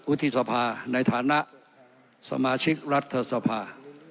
อุทิศภาในฐานะสมาชิกรัฐทศภา